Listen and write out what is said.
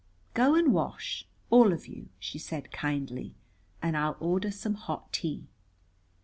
"Go and wash, all of you," she said kindly, "and I'll order some hot tea."